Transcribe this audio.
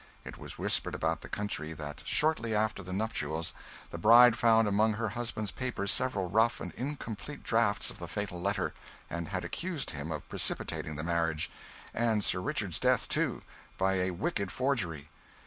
It was whispered about the country that shortly after the nuptials the bride found among her husband's papers several rough and incomplete drafts of the fatal letter, and had accused him of precipitating the marriage and Sir Richard's death, too by a wicked forgery.